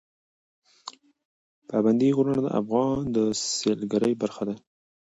پابندی غرونه د افغانستان د سیلګرۍ برخه ده.